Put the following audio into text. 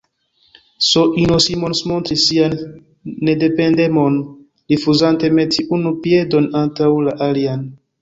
S-ino Simons montris sian nedependemon, rifuzante meti unu piedon antaŭ la alian.